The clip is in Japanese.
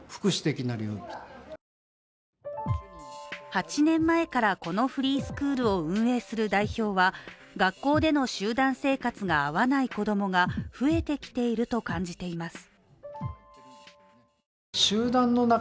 ８年前からこのフリースクールを運営する代表は学校での集団生活が合わない子供が増えてきていると感じています。